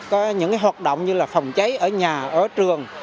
có những hoạt động như là phòng cháy ở nhà ở trường